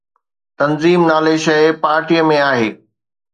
تنظيم نالي شيءِ پارٽي ۾ آهي.